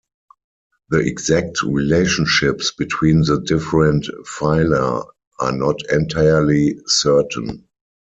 The exact relationships between the different phyla are not entirely certain.